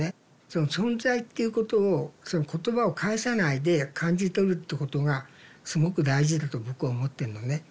その存在っていうことをそういう言葉を介さないで感じ取るってことがすごく大事だと僕は思ってんのね。